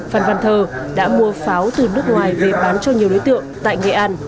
phan văn thơ đã mua pháo từ nước ngoài về bán cho nhiều đối tượng tại nghệ an